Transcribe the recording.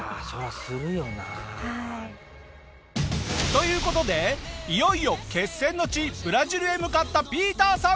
という事でいよいよ決戦の地ブラジルへ向かったＰＩＥＴＥＲさん。